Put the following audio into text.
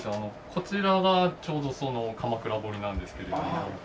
こちらがちょうどその鎌倉彫なんですけれども。